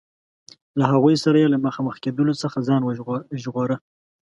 له هغوی سره یې له مخامخ کېدلو څخه ځان ژغوره.